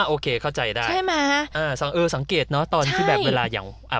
โอเคเข้าใจได้ใช่ไหมฮะอ่าสังเออสังเกตเนอะตอนที่แบบเวลาอย่างอ่ะ